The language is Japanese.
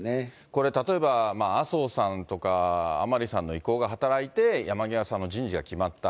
これ、例えば麻生さんとか甘利さんの意向が働いて、山際さんの人事が決まった。